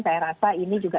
saya rasa ini juga